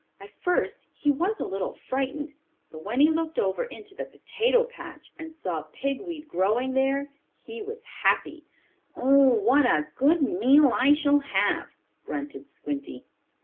At first he was a little frightened, but when he looked over into the potato patch, and saw pig weed growing there he was happy. "Oh, what a good meal I shall have!" grunted Squinty.